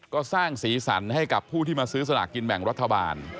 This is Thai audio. ก็สร้างสีสันให้กับผู้ที่มาซื้อสลากกินแบ่งรัฐบาล